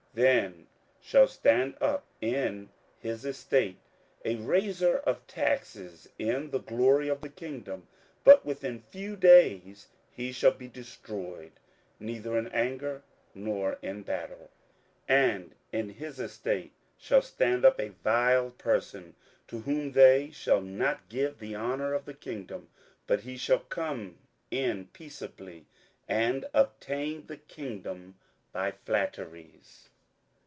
27:011:020 Then shall stand up in his estate a raiser of taxes in the glory of the kingdom: but within few days he shall be destroyed, neither in anger, nor in battle. 27:011:021 And in his estate shall stand up a vile person, to whom they shall not give the honour of the kingdom: but he shall come in peaceably, and obtain the kingdom by flatteries.